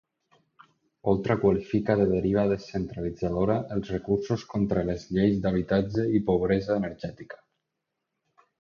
Oltra qualifica de deriva descentralitzadora els recursos contra les lleis d'habitatge i pobresa energètica.